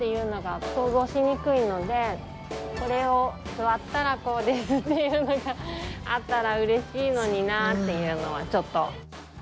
これを座ったらこうですっていうのがあったらうれしいのにな、っていうのはちょっと。